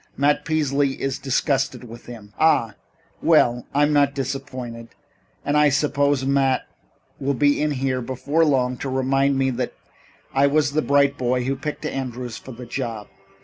Matt Peasley is disgusted with him." "Ah! Well, I'm not disappointed. And I suppose Matt will be in here before long to remind me that I was the bright boy who picked Andrews for the job.